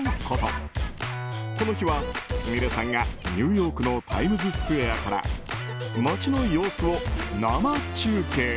この日は、すみれさんがニューヨークのタイムズスクエアから街の様子を生中継。